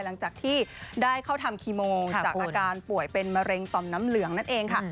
หลังจากที่ได้เข้าทำคีโมจากอาการป่วยเป็นมะเร็งต่อมน้ำเหลืองนั่นเองค่ะ